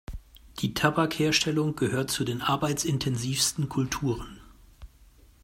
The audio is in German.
Die Tabakherstellung gehört zu den arbeitsintensivsten Kulturen.